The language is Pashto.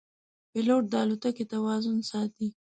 پیلوټ د الوتکې توازن ساتي.